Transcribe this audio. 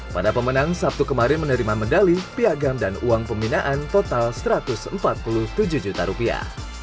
pada pemenang sabtu kemarin menerima medali piagam dan uang pembinaan total satu ratus empat puluh tujuh juta rupiah